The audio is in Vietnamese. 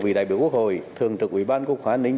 vị đại biểu quốc hội thường trực ủy ban quốc phòng an ninh